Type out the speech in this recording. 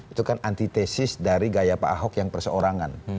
itu kan antitesis dari gaya pak ahok yang perseorangan